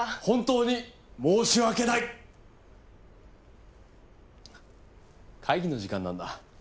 本当に申し訳ない！会議の時間なんだ。